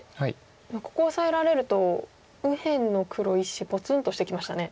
ここオサえられると右辺の黒石ぽつんとしてきましたね。